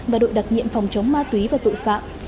và đội đặc nhiệm phòng chống ma túy và tội phạm